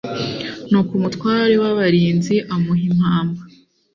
Nuko umutware w abarinzi amuha impamba